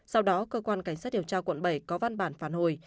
sau đó cơ quan cảnh sát điều tra quận bảy có văn bản phản hồi